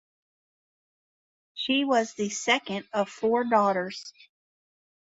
She was the second of four daughters.